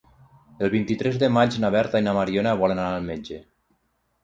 El vint-i-tres de maig na Berta i na Mariona volen anar al metge.